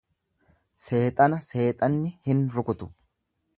Seexana seexanni hin rukutu.